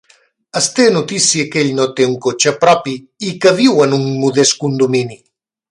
Es té notícia que ell no té un cotxe propi i que viu en un modest condomini.